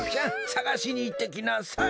さがしにいってきなさい。